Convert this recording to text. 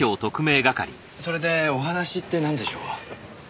それでお話ってなんでしょう？